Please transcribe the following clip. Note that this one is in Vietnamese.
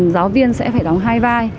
giáo viên sẽ phải đóng hai vai